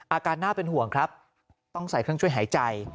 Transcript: อาการน่าเป็นห่วงครับต้องใส่เครื่องช่วยหายใจ